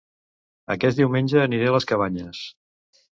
Aquest diumenge aniré a Les Cabanyes